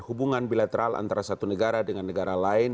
hubungan bilateral antara satu negara dengan negara lain